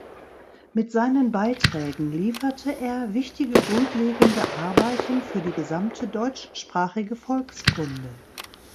Mit seinen Beiträgen lieferte er wichtige grundlegende Arbeiten für die gesamte deutschsprachige Volkskunde.